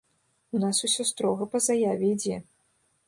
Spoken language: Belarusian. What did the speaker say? У нас усё строга па заяве ідзе.